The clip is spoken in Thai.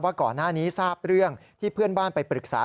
ก่อนหน้านี้ทราบเรื่องที่เพื่อนบ้านไปปรึกษา